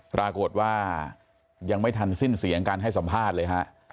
ปรากฏว่ายังไม่ทันสิ้นเสียงการให้สัมภาษณ์เลยฮะ